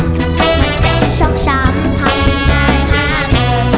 มันเส้นชกชำทำงานเล่น